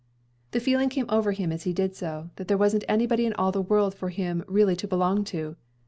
The feeling came over him as he did so, that there wasn't anybody in all the world for him really to belong to.